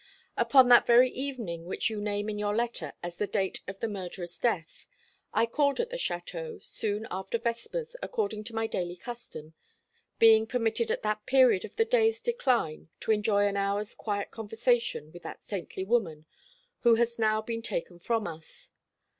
Upon that very evening which you name in your letter as the date of the murderer's death, I called at the château, soon after vespers, according to my daily custom; being permitted at that period of the day's decline to enjoy an hour's quiet conversation with that saintly woman who has now been taken from us.